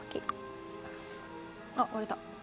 あっ割れた。